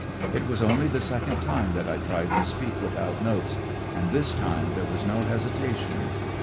It was only the second time that I tried to speak without notes, and this time there was no hesitation.